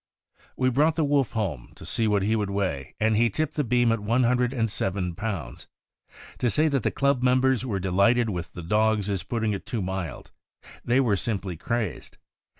"We brought the wolf home, to see what he would weigh, and he tipped the beam at one hundred and seven pounds. To say that the club members were delighted with the dogs is putting it too mild. They were simply crazed.